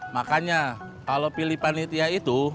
makanya kalau pilih panitia itu